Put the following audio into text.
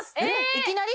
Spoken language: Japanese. いきなり？